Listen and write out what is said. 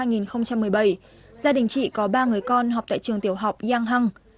hai nghìn một mươi bảy gia đình chị có ba người con học tại trường tiểu học giang hăng